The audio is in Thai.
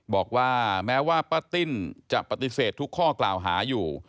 บอกว่าแม้ว่าป้าติ้นจะปฏิเสธทุกข้อกล่าวหาอยู่